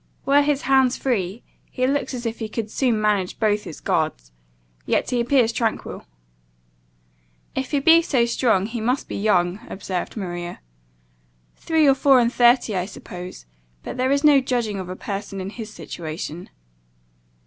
Were his hands free, he looks as if he could soon manage both his guards: yet he appears tranquil." "If he be so strong, he must be young," observed Maria. "Three or four and thirty, I suppose; but there is no judging of a person in his situation."